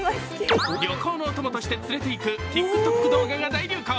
旅行のお供として連れて行くＴｉｋＴｏｋ動画が大流行。